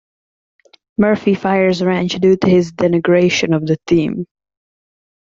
Murphy fires Ranch due to his denigration of the team.